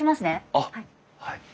あっはい。